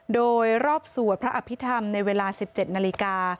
โดยรอบสวดพระอภิษฐรรมในเวลา๑๗นาฬิกา